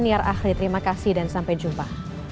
daniar akhli terima kasih dan sampai jumpa